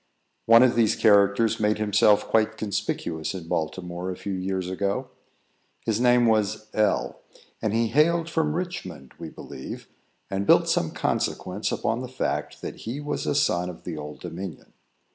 One of these characters made himself quite conspicuous, in Baltimore, a few years ago. His name was L , and he hailed from Richmond, we believe, and built some consequence upon the fact that he was a son of the Old Dominion.